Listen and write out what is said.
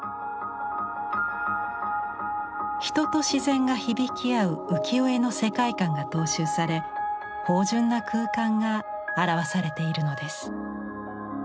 人と自然が響き合う浮世絵の世界観が踏襲され豊潤な空間が表されているのです。